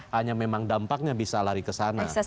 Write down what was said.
hanya memang dampaknya bisa lari ke sana